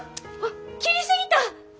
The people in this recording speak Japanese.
切り過ぎた！